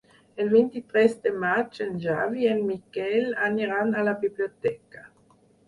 El vint-i-tres de maig en Xavi i en Miquel aniran a la biblioteca.